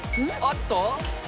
あっと！